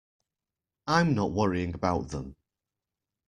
I'm not worrying about them.